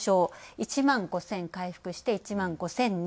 １万５０００回復して１万５００２。